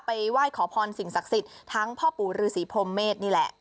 ไหว้ขอพรสิ่งศักดิ์สิทธิ์ทั้งพ่อปู่ฤษีพรมเมษนี่แหละ